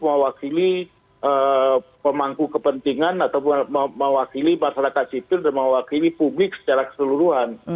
mewakili pemangku kepentingan atau mewakili masyarakat sipil dan mewakili publik secara keseluruhan